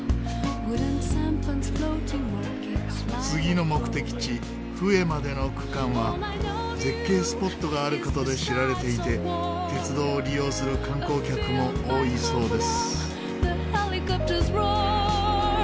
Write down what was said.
次の目的地フエまでの区間は絶景スポットがある事で知られていて鉄道を利用する観光客も多いそうです。